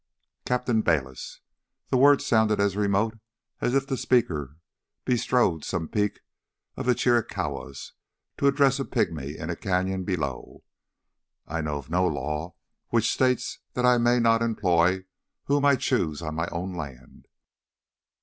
"Captain Bayliss." The words sounded as remote as if the speaker bestrode some peak of the Chiricahuas to address a pygmy in a canyon below. "I know of no law which states that I may not employ whom I choose on my own land.